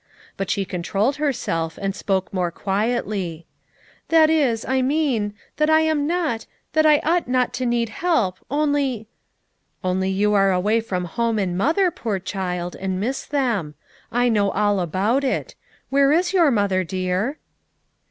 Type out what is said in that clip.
But she controlled herself, and spoke more quietly. * l That is I mean — that I am not — that I ought not to need help; only —" "Only you are away from home and mother, poor child, and miss them. I know all about it. Where is your mother, dear?"